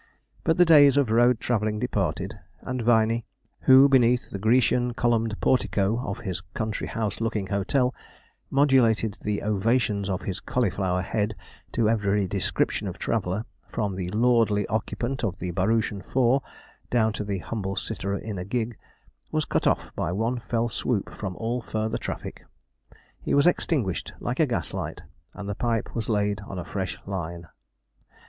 But the days of road travelling departed, and Viney, who, beneath the Grecian columned portico of his country house looking hotel, modulated the ovations of his cauliflower head to every description of traveller from the lordly occupant of the barouche and four, down to the humble sitter in a gig was cut off by one fell swoop from all further traffic. He was extinguished like a gaslight, and the pipe was laid on a fresh line.